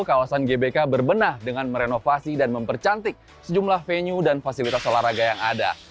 kawasan gbk berbenah dengan merenovasi dan mempercantik sejumlah venue dan fasilitas olahraga yang ada